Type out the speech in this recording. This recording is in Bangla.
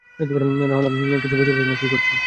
রাহুল আমি কিছু বুঝতে পারছি না কি করছো?